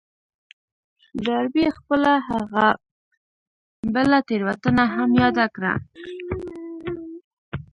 ډاربي خپله هغه بله تېروتنه هم ياده کړه.